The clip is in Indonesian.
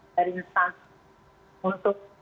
dari instansi untuk